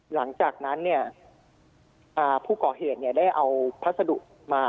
หลังจากนั้นเนี่ยผู้ก่อเหตุเนี่ยได้เอาพัสดุมา